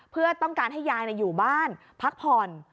เพื่อต้องการให้ยายอยู่บ้านพักผ่อน